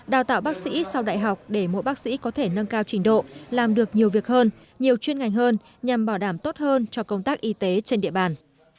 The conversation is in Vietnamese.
đào tạo bác sĩ sau đại học để mỗi bác sĩ có thể nâng cao trình độ làm được nhiều việc hơn nhiều chuyên ngành hơn nhằm bảo đảm tốt hơn cho công tác y tế trên địa bàn